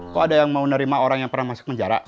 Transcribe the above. kamu mau ngerima orang yang pernah masuk penjara